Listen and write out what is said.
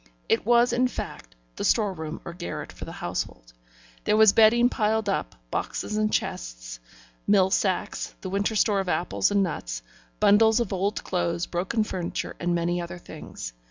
It was, in fact, the store room or garret for the household. There was bedding piled up, boxes and chests, mill sacks, the winter store of apples and nuts, bundles of old clothes, broken furniture, and many other things.